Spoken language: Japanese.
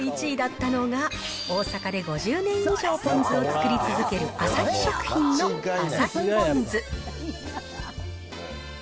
１位だったのが、大阪で５０年以上ポン酢を作り続ける旭食品の旭ポンズ。